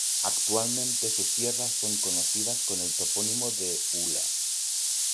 Actualmente sus tierras son conocidas con el topónimo de "Ula".